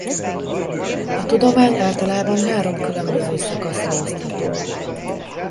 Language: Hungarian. A tudomány általában három különböző szakaszra osztható.